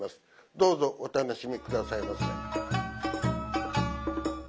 どうぞお楽しみ下さいませ。